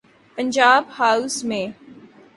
Punjab house میں۔